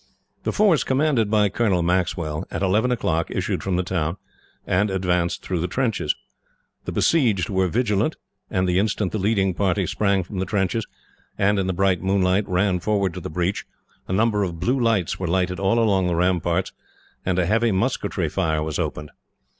The force, commanded by Colonel Maxwell, at eleven o'clock issued from the town and advanced through the trenches. The besieged were vigilant, and the instant the leading company sprang from the trenches and, in the bright moonlight, ran forward to the breach, a number of blue lights were lighted all along the ramparts, and a heavy musketry fire was opened.